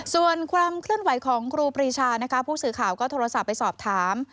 ส่วนความเคลื่อนไหวของครูปรีชานะคะผู้สื่อข่าวก็โทรศัพท์ไปสอบถาม